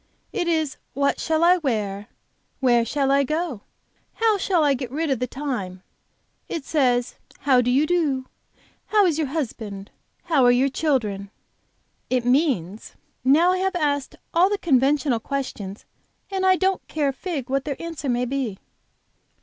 It is what shall I wear, where shall I go, how shall I get rid of the time; it says, 'How do you do? how is your husband? How are your children? ' it means, 'Now I have asked all the conventional questions, and I don't care a fig what their answer may be.'"